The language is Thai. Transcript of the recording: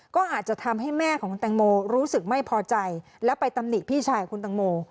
ก็อาจจะทำให้แม่ของแตงโมรู้สึกไม่พอใจและไปตำหนิพี่ชายคุณตังโม